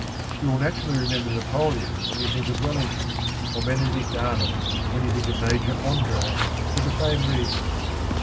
You will naturally remember Napoleon when you think of Wellington, or Benedict Arnold when you think of Major André, for the same reason.